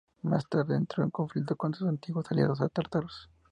Más tarde, entró en conflicto con sus antiguos aliados tártaros.